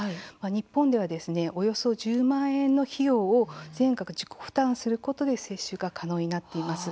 日本ではおよそ１０万円の費用を全額自己負担することで接種が可能になっています。